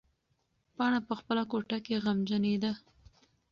پاڼه په خپله کوټه کې غمجنېده.